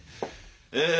え